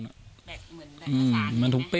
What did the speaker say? เหมือนถุงเป้